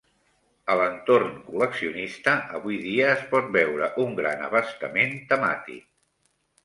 A l'entorn col·leccionista avui dia es pot veure un gran abastament temàtic